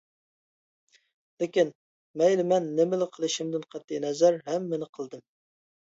لېكىن، مەيلى مەن نېمىلا قىلىشىمدىن قەتئىي نەزەر، ھەممىنى قىلدىم.